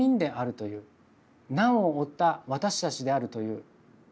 「難」を持った私たちであるという。